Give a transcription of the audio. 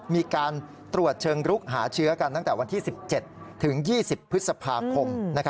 มีการตรวจเชิงรุกหาเชื้อกันตั้งแต่วันที่๑๗ถึง๒๐พฤษภาคม